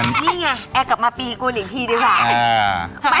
นี่ไงแอร์กลับมาปีกูลอีกทีดีกว่า